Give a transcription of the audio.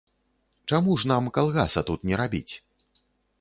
Чаму ж нам калгаса тут не рабіць?